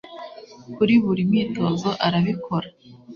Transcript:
kuri buri mwitozo arabikora